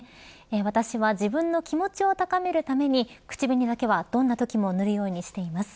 私は自分の気持ちを高めるために口紅だけはどんなときも塗るようにしています。